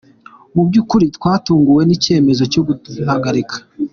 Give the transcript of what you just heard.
Mu by’ukuri twatunguwe n’icyemezo cyo kuduhagarika.